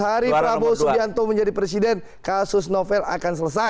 hari prabowo subianto menjadi presiden kasus novel akan selesai